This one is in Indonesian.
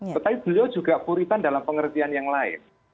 tetapi beliau juga puritan dalam pengertian yang lain